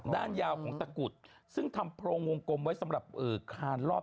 ด้านยาวของตะกุดซึ่งทำโพรงวงกลมไว้สำหรับคานรอบ